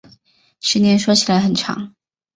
十年说起来很长